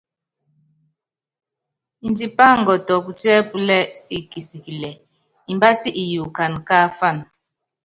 Ndipá ngɔtɔ putíɛ́púlɛ siki kisikilɛ, imbási iyukana káafan.